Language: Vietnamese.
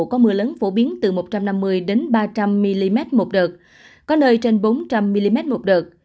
có mưa lớn phổ biến từ một trăm năm mươi đến ba trăm linh mm một đợt có nơi trên bốn trăm linh mm một đợt